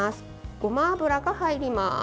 ごま油が入ります。